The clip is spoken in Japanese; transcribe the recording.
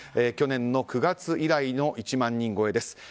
去年の９月以来の１万人超えです。